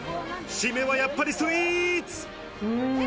締めは、やっぱりスイーツ！